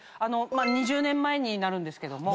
２０年前になるんですけども。